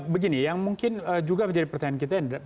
begini yang mungkin juga menjadi pertanyaan kita pak indra ya